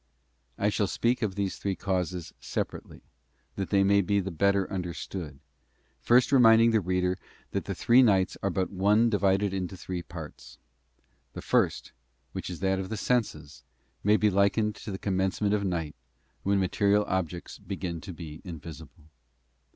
I shall speak of these three causes separately, that they may be the better understood, first reminding the reader that the three nights are but one divided into three parts. The first, which is that of the senses, may be likened to the commencement of night when material objects begin to be invisible.